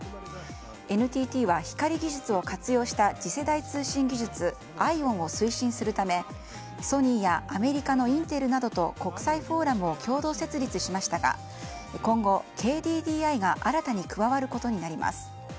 ＮＴＴは光技術を活用した次世代通信技術ＩＯＷＮを推進するためソニーやアメリカのインテルなどと国際フォーラムを共同設立しましたが今後、ＫＤＤＩが新たに加わることになります。